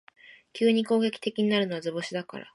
急に攻撃的になるのは図星だから